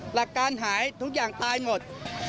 หลักการหายทุกอย่างตายหมด